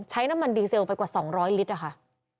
ใช้น้ำมันดีเซลไปกว่า๒๐๐ลิตร